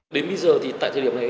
đến bây giờ thì tại thời điểm này